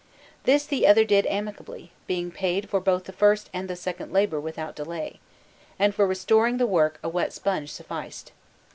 This the other did amicably, being paid for both the first and the second labour without delay; and for restoring the whole work a wet sponge sufficed.